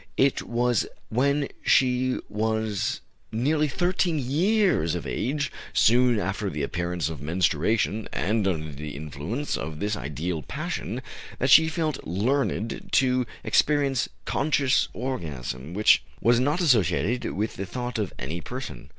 It was when she was nearly thirteen years of age, soon after the appearance of menstruation, and under the influence of this ideal passion, that she first learned to experience conscious orgasm, which was not associated with the thought of any person.